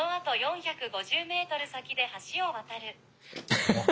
ハハハハ。